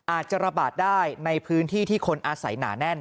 อาจจะระบาดได้ในพื้นที่ที่คนอาศัยหนาแน่น